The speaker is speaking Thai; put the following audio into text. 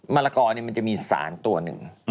มะละกอมันจะมีสารตัวหนึ่ง